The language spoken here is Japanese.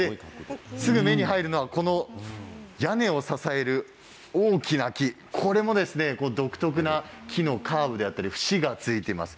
目に入るのが屋根を支える大きな木、これも独特な木のカーブであったり節がついています。